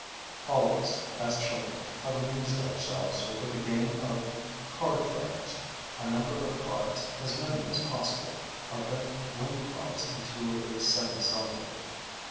All of us, as children, have amused ourselves with the game of "card friars." A number of cards, as many as possible, are bent lengthwise into a semi cylinder.